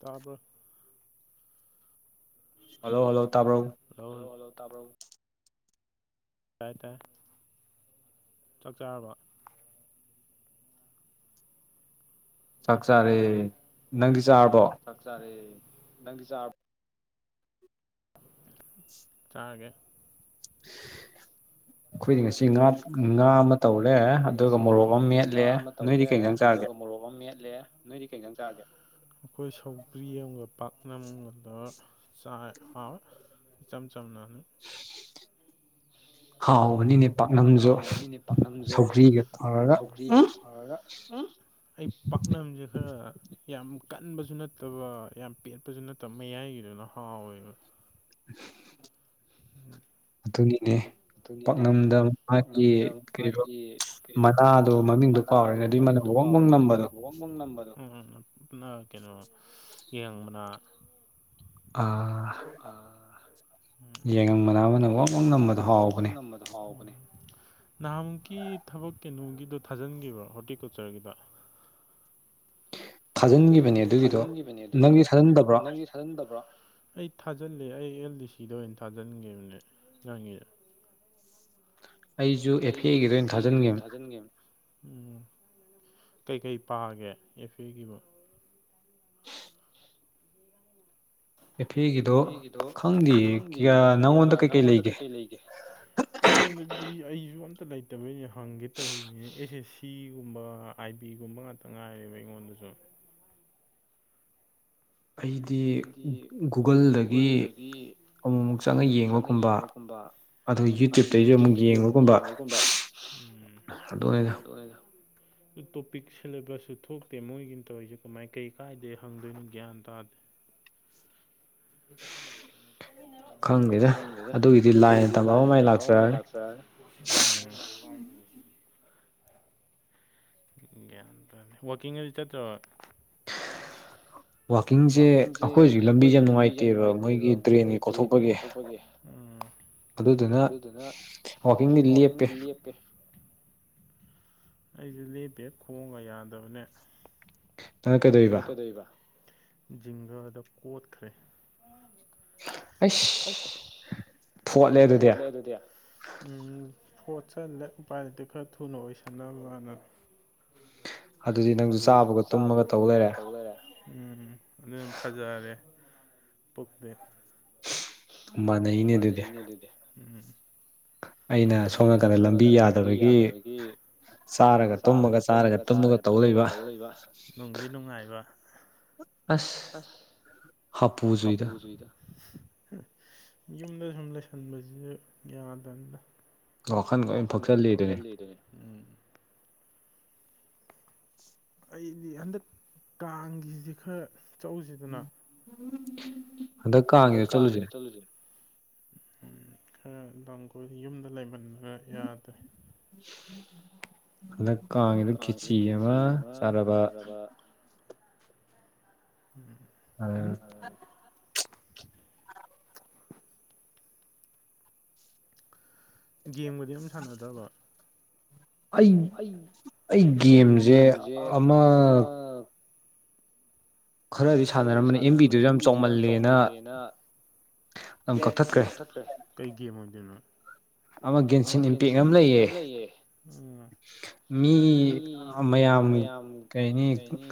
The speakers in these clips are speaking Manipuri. ꯇꯕꯔꯣ ꯍꯜꯂꯣ ꯍꯜꯂꯣ ꯇꯥ꯭ꯔꯣ ꯍ ꯍꯜꯂꯣ ꯇꯥꯕꯕꯨ ꯇꯥꯏ ꯇꯥꯏ꯫ ꯆꯥꯛ ꯆꯥꯔꯕꯣ꯫ ꯆꯥꯛ ꯆꯥꯔꯦ ꯅꯪꯗꯤ ꯆꯥꯔꯕꯣ ꯆꯥꯛ ꯆꯥꯔꯦ ꯅꯪꯗꯤ ꯆꯥꯕ ꯆꯥꯒꯦ꯫ ꯑꯩꯈꯣꯏꯗꯤ ꯉꯁꯤ ꯉꯥ ꯉꯥ ꯑꯃ ꯑꯩꯈꯣꯏꯗꯤ ꯉꯁꯤ ꯉꯥ ꯉꯥ ꯑꯃ ꯇꯧꯔꯦ ꯑꯗꯨꯒ ꯃꯣꯔꯣꯛ ꯑꯃ ꯃꯦꯠꯂꯦ ꯅꯣꯏꯗꯤ ꯀꯩꯇꯪ ꯆꯥꯒꯦ꯫ ꯑꯩꯈꯣꯏ ꯁꯧꯒ꯭ꯔꯤ ꯑꯃꯒ ꯄꯥꯛꯅꯝꯒꯗ ꯆꯥꯏ ꯍꯥꯎꯏ꯫ ꯏꯆꯝ ꯆꯝꯅꯅ ꯍꯥꯎꯕꯅꯤꯅꯦ ꯄꯥꯛꯅꯝꯁꯨ ꯁꯧꯒ꯭ꯔꯤꯒ ꯇꯧꯔꯒ ꯍꯔ ꯎꯝ ꯑꯩ ꯄꯥꯛꯅꯁꯦ ꯈꯔ ꯌꯥꯝ ꯀꯟꯕꯁꯨ ꯅꯠꯇꯕ ꯌꯥꯝ ꯄꯦꯠꯄꯁꯨ ꯅꯠꯇ ꯇ ꯃꯌꯥꯏꯒꯤꯗꯨꯅ ꯍꯥꯎꯋꯦꯕ [inaudible] [inaudible] ꯑꯗꯨꯅꯤꯅꯦ꯫ ꯄꯥꯛꯅꯝꯗ ꯃꯥꯒꯤ ꯀ ꯃꯅꯥꯗꯣ ꯃꯃꯤꯡꯗꯨꯣ ꯐꯥꯎꯔꯤꯦꯅ ꯑꯗꯨꯗꯤ ꯃꯅ ꯍꯣꯡꯕꯪ ꯅꯝꯕꯗꯣ ꯎꯝ ꯀꯩꯅꯣ ꯌꯦꯡꯕꯅ ꯑꯥ ꯑ ꯎꯝ ꯌꯦꯡꯉꯕ ꯅ ꯋꯥꯛ ꯉꯝꯕ ꯅꯍꯥꯟꯃꯨꯛꯀꯤ ꯊꯕꯛ ꯀꯩꯅꯣꯒꯤꯗꯣ ꯊꯥꯖꯤꯟꯈꯤꯕ꯭ꯔꯣ ꯍꯣꯔꯇꯤꯀꯜꯆꯔꯒꯤꯗ ꯊꯥꯖꯟꯒꯤꯕꯅꯦ ꯊꯥꯖꯤꯟꯈꯤꯕꯅꯦ ꯑꯗꯨꯒꯤꯗꯣ ꯅꯪꯒꯤ ꯊꯥꯖꯟꯗꯕ꯭ꯔꯥ ꯑꯩ ꯊꯥꯖꯤꯜꯂꯦ ꯑꯩ ꯑꯦꯜ ꯗꯤ ꯁꯤꯗ ꯑꯣꯏꯅ ꯊꯥꯖꯤꯟꯒꯦꯕꯅꯦ ꯉꯉꯥꯡꯒꯤꯗ ꯑꯩꯁꯨ ꯑꯦꯐꯤ ꯑꯩꯒꯤꯗ ꯑꯣꯏꯅ ꯊꯥꯖꯤꯟꯒꯦ ꯎꯝ ꯀꯩꯀꯩ ꯄꯥꯒꯦ ꯑꯦꯐ ꯑꯦꯒꯤꯕꯨ [inaudible] ꯀꯦꯐꯦꯒꯤꯗꯣ ꯈꯪꯗꯤ ꯅꯉꯣꯟꯗ ꯀꯩꯀꯩ ꯂꯩꯒꯦ ꯑꯩꯉꯣꯟꯗꯗꯤ ꯑꯩꯁꯨ ꯑꯝꯇ ꯂꯩꯇꯕꯩꯅ ꯍꯪꯒꯦ ꯇꯧꯔꯤꯅꯤ ꯑꯦꯁ ꯑꯦꯁ ꯁꯤꯒꯨꯝꯕ ꯑꯥꯏ ꯕꯤꯒꯨꯝꯕ ꯉꯥꯛꯇ ꯉꯥꯏꯔꯦꯕ ꯑꯩꯉꯣꯟꯗꯁꯨ ꯑꯩꯗꯤ ꯒꯨꯒꯜꯗꯒꯤ ꯑꯃꯨꯛ ꯑꯃꯨꯛ ꯆꯪꯉ ꯌꯦꯡꯕꯒꯨꯝꯕ ꯑꯗꯨ ꯌꯨꯇ꯭ꯌꯨꯕꯇꯒꯤꯁꯨ ꯑꯃꯨꯛ ꯌꯦꯡꯕꯒꯨꯝꯕ ꯎ ꯑꯗꯨ ꯑꯣꯏꯔꯒ ꯇꯣꯄꯤꯛ ꯁꯤꯂꯦꯕꯁꯁꯨ ꯊꯣꯛꯇꯦ ꯃꯣꯏꯒꯤ ꯇꯧꯔꯤꯁꯦ ꯀꯃꯥꯏ ꯀꯩ ꯀꯥꯏꯗꯦ ꯍꯪꯗꯣꯏꯅꯣ ꯒ꯭ꯌꯥꯟ ꯇꯥꯗꯦ ꯈꯪꯗꯦꯗ ꯑꯗꯨꯒꯤꯗꯤ ꯂꯥꯏꯟ ꯇꯝꯃꯃꯥꯏ ꯂꯥꯛꯆꯔꯛꯒꯦ ꯎꯝ ꯋꯥꯏ ꯒ꯭ꯌꯥꯟ ꯇꯥꯅꯤ ꯋꯥꯛꯀꯤꯡ ꯑꯗꯨ ꯆꯠꯇ꯭ꯔꯕ ꯋꯥꯛꯀꯤꯡꯁꯦ ꯑꯩꯈꯣꯏ ꯍꯧꯖꯤꯛ ꯂꯝꯕꯤꯁꯦ ꯌꯥꯝ ꯅꯨꯡꯉꯥꯏꯇꯦꯕ ꯃꯣꯏꯒꯤ ꯇ꯭ꯔꯦꯟꯒꯤ ꯀꯣꯊꯣꯛꯄꯒꯤ ꯎ ꯑꯗꯨꯗꯨꯅ ꯋꯀꯤꯡꯗꯤ ꯂꯦꯞꯀꯦ ꯑꯩꯁꯦ ꯂꯦꯞ ꯕꯦꯛ ꯈꯣꯡꯒ ꯌꯥꯗꯕꯅꯦ ꯅꯪ ꯀꯩꯗꯧꯔꯤꯕ ꯖꯤꯡꯒꯗ ꯀꯣꯠꯈ꯭ꯔꯦ ꯑꯩꯁ ꯎ ꯊꯣꯠꯂꯦ ꯑꯗꯨꯗꯤ ꯎ ꯄꯣꯠꯁꯄꯥꯏꯔꯤꯇꯤ ꯈꯔ ꯊꯨꯅ ꯑꯣꯏꯁꯟꯅꯅꯕ ꯃꯥꯥꯟꯅꯅ ꯑꯗꯨꯗꯤ ꯅꯪꯁꯨ ꯆꯥꯕꯒ ꯇꯨꯝꯃꯒ ꯇꯧ ꯂꯩꯔꯦ ꯎꯝ ꯑꯗꯨꯅ ꯐꯖꯔꯦ ꯄꯨꯣꯀꯦꯠ ꯃꯥꯟꯅꯩꯅꯦ ꯑꯗꯨꯗꯤ ꯑꯩꯅ ꯁꯣꯝ ꯅꯥꯀꯥꯟꯗ ꯂꯝꯕꯤ ꯌꯥꯗꯕꯒꯤ ꯆꯥꯔꯒ ꯇꯨꯝꯃꯒ ꯆꯥꯔꯒ ꯇꯨꯝꯃꯒ ꯇꯧ ꯂꯩꯕ ꯑꯁ ꯍꯥꯞꯄꯨ ꯖꯔꯤꯗ ꯌꯨꯝꯗ ꯁꯨꯝ ꯂꯩꯁꯟꯕꯁꯤꯁꯨ ꯌꯥꯗꯅꯅ ꯋꯥꯈꯜ ꯂꯣꯏ ꯐꯛꯆꯜꯂꯤꯔꯦ ꯎꯝ ꯑꯩꯗꯤ ꯍꯟꯗꯛ ꯀꯥꯡꯒꯤꯁꯤ ꯈꯔ ꯆꯧꯁꯤꯗꯅ ꯍꯟꯗꯛ ꯀꯥꯡꯉꯦꯗ ꯆꯠꯂꯨꯁꯦ ꯎꯝ ꯈꯔ ꯂꯝ ꯀꯣꯏ ꯌꯨꯝꯗ ꯂꯩꯃꯟꯕꯒ ꯌꯥꯗ꯭ꯔꯦ ꯍꯟꯗꯛ ꯀꯥꯡꯉꯤꯗ ꯀꯤꯆꯤ ꯑꯃ ꯆꯥꯅꯕ ꯎꯝ ꯑ ꯒꯦꯝꯒꯗꯤ ꯑꯗꯨꯝ ꯁꯥꯟꯅꯗ꯭ꯔꯕ ꯑꯩ ꯑꯩ ꯒꯦꯝꯁꯦ ꯑꯃ ꯈꯔꯗꯤ ꯁꯥꯟꯅꯔꯝꯕꯅꯤ ꯑꯦꯝ ꯕꯤꯗꯨꯁꯨ ꯌꯥꯝ ꯆꯥꯎꯃꯜꯂꯦꯅ ꯀꯊꯄꯦ ꯀꯩꯒꯤꯦꯝ ꯑꯣꯏꯗꯅꯣ ꯑꯃꯒꯦꯟꯁꯤꯟ ꯏꯝꯄꯦꯛ ꯑꯃ ꯂꯩꯌꯦ ꯎ ꯃꯤ ꯃꯌꯥꯝ ꯀꯩꯅꯤ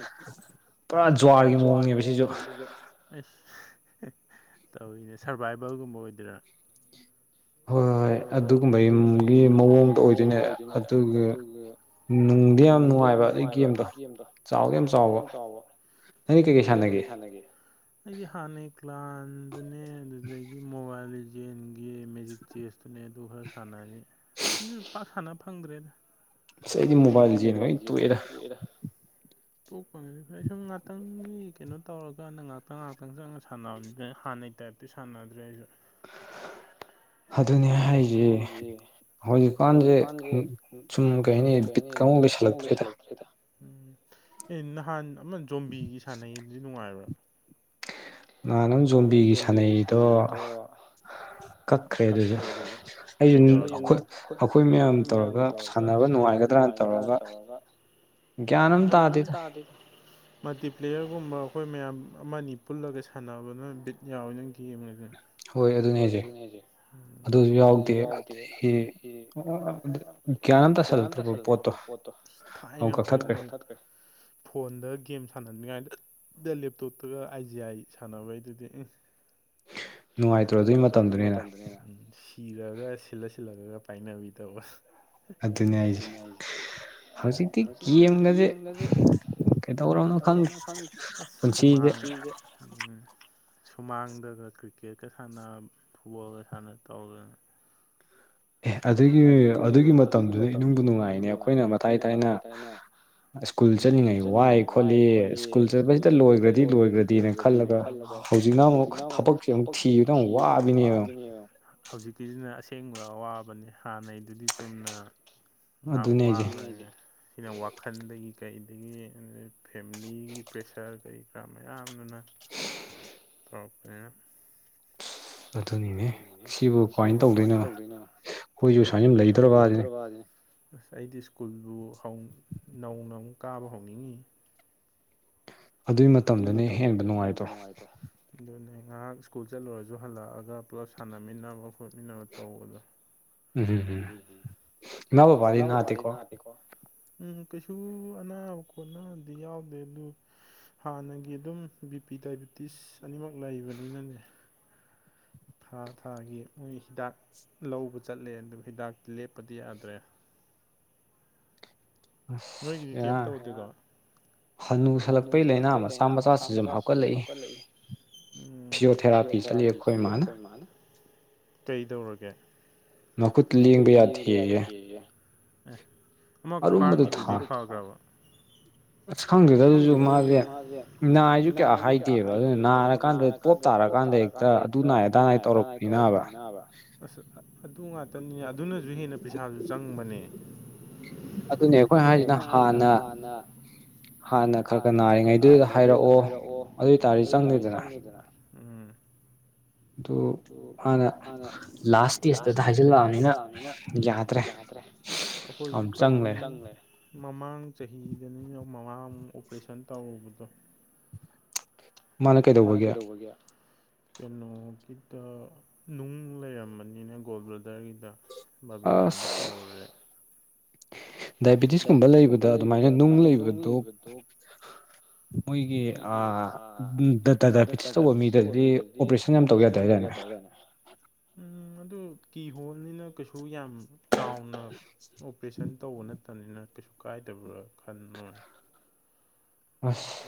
ꯄꯨꯔꯥ ꯖ꯭ꯋꯥꯔꯒꯤ ꯃꯑꯣꯡꯅꯦꯕ ꯁꯤꯁꯨ ꯑꯁ ꯇꯧꯋꯤꯅꯦ ꯁꯔꯕꯥꯏꯕꯦꯜꯒꯨꯝꯕ ꯑꯣꯏꯗꯣꯏꯔꯥ ꯍꯣꯏ ꯍꯣꯏ ꯑꯗꯨꯒꯨꯝꯕꯒꯤ ꯃꯑꯣꯡꯗ ꯑꯣꯏꯗꯣꯏꯅꯦ ꯑꯗꯨꯒ ꯅꯨꯡꯗꯤ ꯌꯥꯝ ꯅꯨꯡꯉꯥꯏꯕ ꯑꯗꯨꯏ ꯒꯦꯝꯗꯣ ꯆꯥꯎꯗꯤ ꯌꯥꯝ ꯆꯥꯎꯕ ꯅꯪꯗꯤ ꯀꯩꯀꯩ ꯁꯥꯟꯅꯒꯦ ꯑꯩꯗꯤ ꯍꯥꯟꯅꯩ ꯀ꯭ꯂꯥꯟꯗꯨꯅꯦ ꯑꯗꯨꯗꯒꯤ ꯃꯣꯕꯥꯏꯜ ꯂꯤꯖꯦꯟꯒꯤ ꯃꯦꯖꯤꯛ ꯆꯦꯁꯇꯨꯅꯦ ꯑꯗꯨ ꯈꯔ ꯁꯥꯟꯅꯔꯅꯤ ꯖꯤꯛ ꯄꯥꯛ ꯁꯥꯟꯅ ꯐꯪꯗ꯭ꯔꯦꯗ ꯑꯁ ꯑꯩꯗꯤ ꯃ‌ꯣꯕꯥꯏꯜ ꯂ‌ꯦꯖ‌ꯦꯟꯒꯝ ꯇ‌ꯣꯛꯑꯦꯗ ꯇ‌ꯣꯛꯄꯅꯗꯤ ꯐꯩ ꯁꯨꯝ ꯉꯥꯛꯇꯪ ꯀꯤ ꯀꯩꯅꯣ ꯇꯧꯔꯒꯥꯟꯅ ꯉꯥꯛꯇꯪ ꯉꯥꯛꯇꯪ ꯆꯪꯉꯒ ꯁꯥꯟꯅꯕꯅꯤꯗ ꯍꯥꯟꯅꯩ ꯇꯥꯏꯞꯇꯤ ꯁꯥꯟꯅꯗ꯭ꯔꯦ ꯑꯩꯖꯨ ꯑꯗꯨꯅꯦ ꯍꯥꯏꯁꯦ ꯍꯧꯖꯤꯛꯀꯥꯟꯁꯦ ꯁꯨꯝ ꯀꯩ ꯍꯥꯏꯅꯤ ꯕꯤꯠꯀꯥ ꯑꯝꯐꯧ ꯂꯩꯁꯜꯂꯛꯇ꯭ꯔꯦꯗ ꯎꯝ ꯑꯦ ꯅꯍꯥꯟ ꯑꯃ ꯖꯣꯝꯕꯤꯒꯤ ꯁꯥꯟꯅꯩꯌꯦꯗꯨꯗꯤ ꯅꯨꯡꯉꯥꯏꯕꯔꯥ ꯅꯍꯟ ꯑꯝ ꯖꯣꯝꯕꯤꯒꯤ ꯁꯥꯟꯅꯩꯌꯦꯗꯣ ꯀꯛꯈ꯭ꯔꯦ ꯑꯗꯨꯁꯨ ꯀꯩꯗꯧꯔꯒ‌ꯦ ꯑꯩꯈꯣꯏ ꯑꯩꯈꯣꯏ ꯃꯌꯥꯝ ꯇꯧꯔꯒꯥ ꯁꯥꯟꯅꯕ ꯅꯨꯡꯉꯥꯏꯒꯗ꯭ꯔꯅ ꯇꯧꯔꯒ ꯒ꯭ꯌꯥꯟ ꯑꯃ ꯇꯥꯗꯦ ꯃꯜꯇꯤ ꯄ꯭ꯂꯦꯌꯔꯒꯨꯝꯕ ꯑꯩꯈꯣꯏ ꯃꯌꯥꯝ ꯑꯃꯅꯤ ꯄꯨꯜꯂꯒ ꯁꯥꯟꯅꯕꯗꯨꯅ ꯕꯤꯠ ꯌꯥꯎꯋꯦꯗꯅ ꯒꯦꯝ ꯍꯥꯏꯁꯦ ꯍꯣꯏ ꯑꯗꯨꯅꯦ ꯍꯥꯏꯁꯦ ꯑꯗꯨꯁꯨ ꯌꯥꯎꯗꯦ ꯑꯗꯒꯤ ꯒꯌ꯭ꯥꯟ ꯑꯃꯥ ꯇꯥꯁꯤꯟꯂꯛꯇ‍꯭ꯔꯕꯥ ꯄꯣꯠꯇꯣ ꯊꯥꯏꯅꯥ ꯑꯩꯈꯣꯏꯅ [unintelligible] ꯐꯣꯟꯗ ꯒꯦꯝ ꯁꯥꯟꯅꯅꯤꯡꯉꯥꯏ ꯗ ꯂꯦꯞꯇꯣꯞꯇꯒ ꯑꯥꯏ ꯖꯤ ꯑꯥꯏ ꯁꯥꯟꯅꯕꯩꯗꯨꯗꯤ ꯎꯪ ꯅꯨꯡꯉꯥꯏꯇꯔꯣ ꯗꯨꯏ ꯃꯇꯝꯗꯨꯅ ꯍꯦꯟꯅꯥ ꯏꯔꯒ ꯁꯤꯜꯂ ꯁꯤꯜꯂꯒꯥꯒ ꯄꯥꯏꯅꯕꯤ ꯇꯧꯕ ꯑꯗꯨꯅꯦ ꯍꯥꯏꯁꯦ ꯍꯧꯖꯤꯛꯇꯤ ꯒꯦꯝꯒꯥꯁꯦ ꯀꯩꯗꯧꯔꯕꯅꯣ ꯈꯪꯗ꯭ꯔ‌ꯦ ꯑꯁ ꯍꯨꯃꯥꯡ ꯄꯨꯟꯁꯤ ꯁꯨꯃꯥꯡꯗꯒ ꯀ꯭ꯔꯤꯛꯀꯦꯠꯀ ꯁꯥꯟꯅ ꯐꯨꯠꯕꯣꯜꯒ ꯁꯥꯟꯅ ꯇꯧꯗꯅ ꯑꯦ ꯑꯗꯨꯒꯤ ꯑꯗꯨꯒꯤ ꯃꯇꯝꯗꯨꯗ ꯏꯅꯨꯡꯗ ꯅꯨꯡꯉꯥꯏꯌꯦꯅꯦ ꯑꯩꯈꯣꯏꯅ ꯃꯊꯥꯏ ꯊꯥꯏꯅ ꯁ꯭ꯀꯨꯜ ꯆꯠꯂꯤꯉꯩ ꯋꯥꯏ ꯈꯣꯠꯂꯤ ꯁ꯭ꯀꯨꯜ ꯆꯠꯄꯁꯤꯗ ꯂꯣꯏꯈ꯭ꯔꯗꯤ ꯂꯣꯏꯈ꯭ꯔꯗꯤꯅ ꯈꯜꯂꯒ ꯍꯧꯖꯤꯛꯅ ꯑꯃꯨꯛ ꯊꯕꯛꯁꯦ ꯑꯃꯨꯛ ꯊꯤꯕꯗ ꯑꯃꯨꯛ ꯋꯥꯕꯤꯅꯦꯕ ꯍꯧꯖꯤꯛꯀꯤꯁꯤꯅ ꯑꯁꯦꯡꯕ ꯑꯋꯥꯕꯅꯤ ꯍꯥꯟꯅꯩꯗꯨꯗꯤ ꯆꯨꯝꯅ ꯉꯥꯏꯍꯥꯛ ꯋꯥꯕꯥꯅꯦ ꯁꯤꯅ ꯋꯥꯈꯜꯗꯒꯤ ꯀꯩꯗꯒꯤ ꯐꯦꯃꯤꯂꯤꯒꯤ ꯄ꯭ꯔꯦꯁꯔ ꯀꯔꯤ ꯀꯔꯥ ꯃꯌꯥꯝꯗꯨꯅ [unintelligible] ꯇꯧꯔꯛꯄꯅꯤꯟ ꯑꯗꯨꯅꯤꯅꯦꯍꯦ ꯁꯤꯕꯨ ꯀꯥꯃꯥꯏꯟ ꯇꯧꯗꯣꯏꯅꯣ ꯑꯩꯈꯣꯏꯁꯨ ꯁꯥꯏ ꯁꯨꯝ ꯂꯩꯗꯣꯔꯕ ꯁꯤꯅꯦ ꯑꯁ ꯑꯩꯗꯤ ꯁ꯭ꯀꯨꯜꯕꯨ ꯍꯧꯅ ꯅꯧꯅ ꯑꯃꯨꯛ ꯀꯥꯕ ꯍꯧꯅꯤꯡꯏꯌꯦ ꯑꯗꯨꯏ ꯃꯇꯝꯗꯨꯅ ꯍꯦꯟꯅ ꯅꯨꯡꯉꯥꯏꯇ꯭ꯔꯣ ꯑꯗꯨꯅꯦ ꯉꯥꯏꯍꯥꯛ ꯁ꯭ꯀꯨꯜ ꯆꯠꯂꯨꯔꯁꯨ ꯍꯜꯂꯛꯑꯒ ꯄꯨꯂꯞ ꯁꯥꯟꯅꯃꯤꯟꯅꯕ ꯈꯣꯠꯃꯤꯟꯅꯕ ꯇꯧꯕꯗꯣ ꯎꯝꯍꯝ ꯎꯝ ꯏꯃꯥ ꯕꯕꯥꯗꯤ ꯅꯥꯗꯦꯀꯣ ꯗ‌ꯦꯀꯣ ꯎꯝ ꯀꯩꯁꯨ ꯑꯅꯥꯕ ꯈꯣꯠꯅꯥꯕꯗꯤ ꯌꯥꯎꯗꯦ ꯑꯗꯨ ꯍꯥꯟꯅꯒꯤ ꯑꯗꯨꯝ ꯕꯤ ꯄꯤ ꯗꯥꯏꯕꯤꯇꯤꯁ ꯑꯅꯤꯃꯛ ꯂꯩꯕꯅꯤꯅꯅꯦ ꯊꯥ ꯊꯥꯒꯤ ꯃꯣꯏ ꯍꯤꯗꯥꯛ ꯂꯧꯕ ꯆꯠꯂꯦ ꯑꯗꯨꯝ ꯍꯤꯗꯥꯛꯇꯤ ꯂꯦꯞꯄꯗꯤ ꯌꯥꯗ꯭ꯔꯦ ꯅꯣꯏꯒꯤꯗꯤ ꯀꯩꯝ ꯇꯧꯗꯦꯀꯣ ꯍꯅꯨꯁꯜꯂꯛꯄꯒꯤ ꯂꯥꯏꯅ ꯃꯆꯥ ꯃꯆꯥ ꯁꯨꯝ ꯁꯨꯝ ꯍꯥꯞꯀꯠꯂꯛꯏ ꯎꯝ ꯐꯤꯖꯤꯑꯣꯊꯦꯔꯥꯄꯤ ꯆꯠꯂꯤ ꯑꯩꯈꯣꯏ ꯃꯥꯅ ꯀꯩꯗꯧꯔꯒꯦ ꯃꯈꯨꯠ ꯂꯦꯡꯕ ꯌꯥꯗꯦꯌꯦ ꯑꯦ ꯑꯃ ꯈ꯭ꯋꯥꯡꯒꯤꯗꯨꯗꯤ ꯐꯈ꯭ꯔꯕꯣ ꯑꯁ ꯈꯪꯗꯦꯗ ꯗꯨꯁꯨ ꯃꯥꯁꯦ ꯅꯥꯏꯁꯨ ꯀꯌꯥ ꯍꯥꯏꯗꯦꯕ ꯑꯗꯨꯅ ꯅꯥꯔ ꯀꯥꯟꯗꯦ ꯄꯣꯞ ꯇꯥꯔ ꯀꯥꯟꯗ ꯍꯦꯛꯇ ꯑꯗꯨ ꯅꯥꯏ ꯑꯗꯥ ꯅꯥꯏ ꯇꯧꯔꯛꯄꯅꯤꯅꯥꯕ ꯑꯁ ꯑꯗꯨ ꯉꯥꯛꯇꯅꯤ ꯑꯗꯨꯅꯁꯨ ꯍꯦꯟꯅ ꯄꯩꯁꯥꯁꯨ ꯆꯪꯕꯅꯦ ꯑꯗꯨꯅꯦ ꯑꯩꯈꯣꯏ ꯍꯥꯏꯁꯤ ꯅꯍꯥꯟꯅ ꯍꯥꯟꯅ ꯈꯔ ꯈꯔ ꯅꯥꯔꯤꯉꯩꯗꯨꯗ ꯍꯥꯏꯔꯛꯑꯣ ꯑꯗꯨꯏ ꯑꯣꯏꯇꯥꯔꯗꯤ ꯆꯪꯗꯤꯗꯅ ꯎꯝ ꯑꯗꯣ ꯃꯥꯅ ꯂꯥꯁ ꯏꯇꯦꯁꯇꯗ ꯍꯥꯏꯖꯤꯜꯂꯛꯑꯕꯅꯤꯅ ꯌꯥꯗ꯭ꯔꯦ ꯑꯩꯈꯣꯏꯁꯨ ꯇꯧꯔꯤꯕꯅꯦ ꯌꯥꯝ ꯆꯪꯂꯦ ꯃꯃꯥꯡ ꯆꯍꯤꯗꯅꯤꯅꯦ ꯃꯃꯥ ꯑꯃꯨꯛ ꯑꯣꯄꯔꯦꯁꯟ ꯇꯧꯔꯨꯕꯗꯣ ꯃꯥꯅ ꯀꯩꯗꯧꯕꯒꯤ ꯀꯩꯅꯣꯒꯤ ꯗ ꯅꯨꯡ ꯂꯩꯔꯝꯕꯅꯤꯅꯦ ꯒꯣꯜ ꯕ꯭ꯂꯗꯔꯒꯤꯗ ꯕꯕꯤꯅꯥꯗ ꯑꯁ ꯇꯧꯔꯨꯔꯦ ꯗꯥꯏꯕꯤꯇꯤꯁꯀꯨꯝꯕ ꯂꯩꯕꯗ ꯑꯗꯨꯃꯥꯏꯅ ꯅꯨꯡ ꯂꯩꯕꯗꯣ ꯃꯣꯏꯒꯤ ꯑꯥ ꯗꯗꯥꯏꯄꯤꯇꯤꯁ ꯇꯧꯕ ꯃꯤꯗ ꯗꯤ ꯑꯣꯄꯔꯦꯁꯟ ꯌꯥꯝ ꯇꯧ ꯌꯥꯗꯦ ꯍꯥꯏꯗꯥꯏꯅꯦ ꯎꯝ ꯑꯗꯨ ꯀꯤꯍꯣꯜꯅꯤꯅ ꯀꯩꯁꯨ ꯌꯥꯝ ꯆꯥꯎꯅ ꯑꯣꯄꯔꯦꯁꯟ ꯇꯧꯕ ꯅꯠ ꯇꯝꯅꯤꯅ ꯀꯩꯁꯨ ꯀꯥꯏꯗꯕ꯭ꯔꯥ ꯈꯥꯟꯕꯋꯥꯅꯦ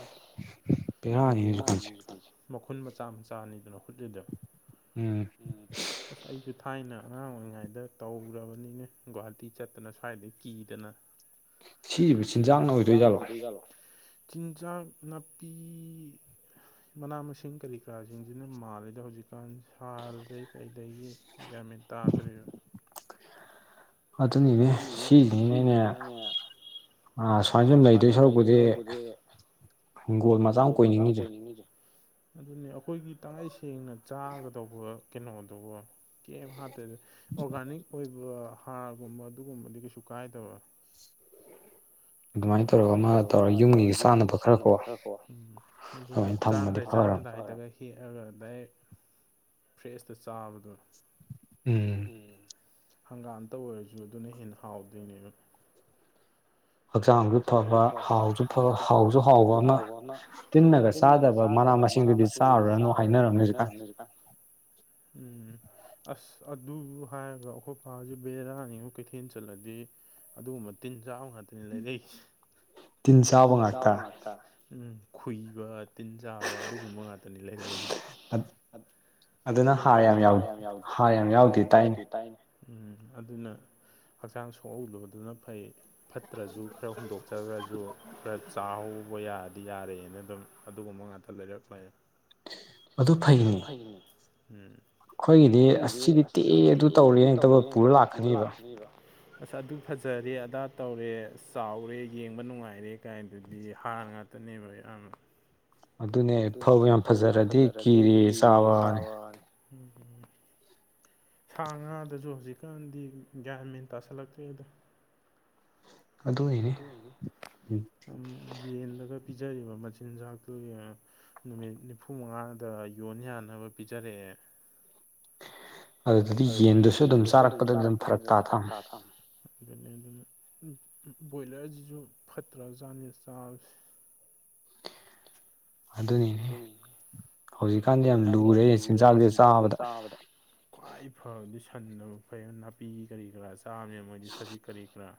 ꯑꯁ ꯍꯥꯏꯗꯤ [unintelligible] ꯃꯈꯨꯟ ꯃꯆꯥ ꯃꯆꯥ ꯑꯅꯤꯗꯅ ꯍꯨꯠꯂꯤꯗꯤ ꯎꯝ ꯎꯝ ꯑꯁ ꯑꯩꯁꯨ ꯊꯥꯏꯅ ꯑꯉꯥꯡ ꯑꯣꯏꯔꯤꯉꯩꯗ ꯇꯧꯔꯕꯅꯤꯅꯦ ꯒꯨꯍꯥꯇꯤ ꯆꯠꯇꯅ ꯁ꯭ꯋꯥꯏꯗ ꯀꯤꯗꯅ ꯁꯤꯕꯨ ꯆꯤꯟꯖꯥꯛꯅ ꯑꯣꯏꯗꯣꯏ ꯖꯥꯠꯂꯣ ꯆꯤꯟꯖꯥꯛ ꯅꯥꯄꯤ ꯃꯅꯥ ꯃꯁꯤꯡ ꯀꯔꯤ ꯀꯔꯥꯁꯤꯡꯁꯤꯅ ꯃꯥꯜꯂꯤꯗ ꯍꯧꯖꯤꯛ ꯀꯟꯁꯥꯜꯗꯩ ꯀꯩꯗꯒꯤ ꯒꯌ꯭ꯥꯟ ꯃꯤꯠ ꯇꯥꯗ꯭ꯔꯦ ꯑꯗꯨꯅꯤꯅꯦ ꯁꯤꯖꯤꯅꯤꯅꯦ ꯑꯩꯅ ꯑꯥ ꯁꯨꯃꯥꯏꯅ ꯁꯨꯝ ꯂꯩꯗꯣꯏ ꯁꯔꯛꯄꯨꯗꯤ ꯍꯤꯡꯒꯣꯜ ꯃꯆꯥ ꯑꯃ ꯀꯣꯏꯅꯤꯡꯉꯤꯁꯦ ꯑꯗꯨꯅꯦ ꯑꯩꯈꯣꯏꯒꯤ ꯇꯉꯥꯏ ꯁꯦꯡꯅ ꯆꯥꯒꯗꯧꯕ ꯀꯩꯅꯣꯗꯨꯕꯣ ꯀꯦꯝ ꯍꯥꯇꯦꯗ ꯑꯣꯔꯒꯥꯅꯤꯛ ꯑꯣꯏꯕ ꯍꯥꯔꯒꯨꯝꯕ ꯑꯗꯨꯒꯨꯝꯕꯗꯤ ꯀꯩꯁꯨ ꯀꯥꯏꯗꯕ ꯑꯗꯨꯃꯥꯏꯅ ꯇꯧꯔꯒ ꯑꯃ ꯇꯧꯔ ꯌꯨꯝꯒꯤꯒ ꯆꯥꯅꯕ ꯈꯔꯀꯣ ꯎꯝ ꯑꯗꯨꯒ ꯆꯔꯝꯗꯥꯏ ꯆꯔꯝꯗꯥꯏꯗꯒ ꯍꯦꯛꯑꯒ ꯗꯥꯏꯔꯦꯛ ꯐ꯭ꯔꯦꯁꯇ ꯆꯥꯕꯗꯣ ꯎꯝ ꯎꯝ ꯍꯪꯒꯥꯝꯇ ꯑꯣꯏꯔꯁꯨ ꯑꯗꯨꯅ ꯍꯦꯟꯅ ꯍꯥꯎꯗꯣꯏꯅꯦꯅ ꯍꯛꯆꯥꯡꯁꯨ ꯐꯕ ꯍꯥꯎꯁꯨꯐ ꯍꯥꯎꯁꯨ ꯍꯥꯎꯕꯅ ꯇꯤꯟꯅꯒ ꯆꯥꯗꯕ ꯃꯅꯥ ꯃꯁꯤꯡꯗꯨꯗꯤ ꯆꯥꯔꯨꯔꯅꯨ ꯍꯥꯏꯅꯔꯕꯅꯦ ꯍꯥꯎꯖꯤꯛꯀꯥꯟ ꯎꯝ ꯑꯁ ꯑꯗꯨ ꯍꯥꯏꯔꯒ ꯑꯩꯈꯣꯏ ꯄꯁꯦ ꯕꯦꯔꯥꯅꯤꯉꯣ ꯀꯩꯊꯦꯜ ꯆꯠꯂꯗꯤ ꯑꯗꯨꯒꯨꯝꯕ ꯇꯤꯟ ꯆꯥꯕ ꯉꯥꯛꯇꯅꯦ ꯂꯩꯔꯛꯏꯁꯦ ꯇꯤꯟ ꯆꯥꯕ ꯉꯥꯛꯇ ꯎꯝ ꯈꯨꯏꯕ ꯇꯤꯟ ꯆꯥꯕ ꯑꯗꯨꯒꯨꯝꯕ ꯉꯥꯛꯇꯅꯦ ꯂꯩꯔꯛꯏꯖꯦ ꯑꯗꯨꯅ ꯍꯥꯔ ꯌꯥꯝ ꯌꯥꯎ ꯍꯥꯔ ꯌꯥꯝ ꯌꯥꯎꯗꯦ ꯇꯥꯏꯅꯦ ꯎꯝ ꯑꯗꯨꯅ ꯍꯛꯆꯥꯡ ꯁꯣꯛꯍꯧꯗꯕꯗꯨꯅ ꯐꯩ ꯐꯠꯇ꯭ꯔꯁꯨ ꯈꯔ ꯍꯨꯟꯗꯣꯛꯆꯒꯔꯁꯨ ꯈꯔ ꯆꯍꯥꯎꯕ ꯌꯥꯔꯗꯤ ꯌꯥꯔꯦꯅ ꯑꯗꯨꯝ ꯑꯗꯨꯒꯨꯝꯕ ꯉꯥꯛ ꯂꯩꯔꯛ ꯂꯩꯔꯦ ꯑꯗꯨ ꯐꯩꯅꯦ ꯎꯝ ꯑꯩꯈꯣꯏꯒꯤꯗꯤ ꯑꯁ ꯁꯤꯗꯤ ꯇꯦꯛꯑ ꯑꯗꯨ ꯇꯧꯔꯦꯇꯕ ꯄꯨꯔ ꯂꯥꯛꯀꯅꯤꯕ ꯑꯁ ꯑꯗꯨ ꯐꯖꯔꯦ ꯑꯗꯥ ꯇꯧꯔꯦ ꯆꯥꯎꯔꯦ ꯌꯦꯡꯕ ꯅꯨꯡꯉꯥꯏꯔꯦ ꯀꯥꯏꯟꯗꯨꯗꯤ ꯍꯥꯔ ꯉꯥꯛ ꯇ ꯅꯦꯕ ꯑꯌꯥꯝ ꯑꯗꯨꯅꯦ ꯐꯕꯨ ꯌꯥꯝ ꯐꯖꯔꯗꯤ ꯀꯤꯔꯤ ꯆꯥꯕꯅ ꯎꯝ ꯎꯝ ꯁꯥ ꯉꯥꯗꯁꯨ ꯍꯧꯖꯤꯛꯀꯥꯟꯗꯤ ꯒ꯭ꯌꯥꯟ ꯃꯦꯟ ꯇꯥꯁꯜꯂꯛꯇ꯭ꯔꯦ ꯑꯗꯨꯅꯤꯅꯦ ꯎꯝ ꯌꯦꯟꯗꯒ ꯄꯤꯖꯔꯤꯕ ꯃꯆꯤꯟꯖꯥꯛꯇꯨꯒꯤ ꯅꯨꯃꯤꯠ ꯅꯤꯐꯨꯃꯉꯥꯗ ꯌꯣꯟ ꯌꯥꯅꯕ ꯄꯤꯖꯔꯛꯑꯦ ꯑꯗꯨꯗꯗꯤ ꯌꯦꯟꯗꯨꯁꯨ ꯑꯗꯨꯝ ꯆꯥꯔꯛꯄꯗ ꯑꯗꯨꯝ ꯐꯔꯛ ꯇꯥ ꯊꯝꯅꯦ ꯑꯗꯨꯅꯤ ꯑꯗꯨꯅ ꯕꯣꯏꯂꯔꯁꯤꯁꯨ ꯐꯠꯇ꯭ꯔꯕꯖꯥꯅꯦ ꯆꯥꯕꯁꯦ ꯑꯗꯨꯅꯤ ꯍꯧꯖꯤꯛꯀꯥꯟꯗꯤ ꯌꯥꯝ ꯂꯨꯔꯦ ꯆꯤꯟꯖꯥꯛꯁꯦ ꯆꯥꯕꯗ ꯈ꯭ꯋꯥꯏ ꯐꯕꯗꯤ ꯁꯟꯕ ꯃꯐꯩ ꯅꯥꯄꯤ ꯀꯔꯤ ꯀꯔꯥ ꯆꯥꯕꯅꯤꯅ ꯃꯣꯏꯗꯤ ꯁꯖꯤꯛ ꯀꯔꯤ ꯀꯔꯥ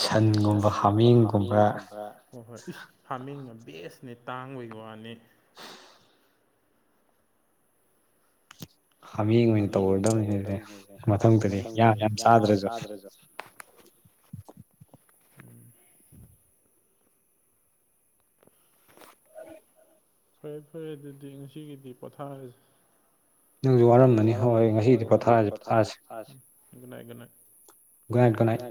ꯑꯗꯨ ꯁꯟꯒꯨꯝꯕ ꯍꯥꯃꯦꯡꯒꯨꯝꯕ ꯍꯣꯏ ꯍꯣꯏ ꯏꯁ ꯍꯥꯃꯦꯡꯅ ꯕꯦꯁꯅꯦ ꯇꯥꯡꯕꯒꯤ ꯋꯥꯅꯤ ꯍꯥꯃꯦꯡ ꯑꯣꯏꯅ ꯇꯧꯔꯗꯕꯅꯤ [unintelligible] ꯃꯊꯪꯇꯗꯤ ꯌꯥ ꯌꯥꯝ ꯆꯥꯗ꯭ꯔꯖꯨ [unintelligible] ꯎꯝ [unintelligible] ꯐꯔꯦ ꯐꯔꯦ ꯑꯗꯨꯗꯤ ꯉꯁꯤꯒꯤꯗꯤ ꯄꯣꯊꯥꯔꯖꯤ ꯅꯪꯖꯨ ꯋꯥꯔꯝꯅꯅꯤ ꯍꯣꯏ ꯉꯁꯤꯗꯤ ꯄꯣꯊꯥꯔꯖꯤ ꯄꯣꯊꯥꯔꯖꯤ ꯒꯨꯠꯅꯥꯏꯠ ꯒꯨꯠꯅꯥꯏꯠ ꯒꯨꯠꯅꯥꯏꯠ ꯒꯨꯠꯅꯥꯏꯠ